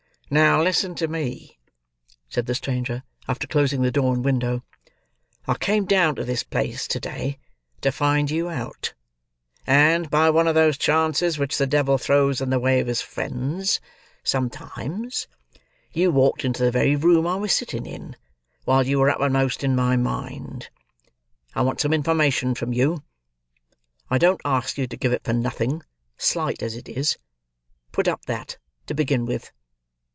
"Now listen to me," said the stranger, after closing the door and window. "I came down to this place, to day, to find you out; and, by one of those chances which the devil throws in the way of his friends sometimes, you walked into the very room I was sitting in, while you were uppermost in my mind. I want some information from you. I don't ask you to give it for nothing, slight as it is. Put up that, to begin with."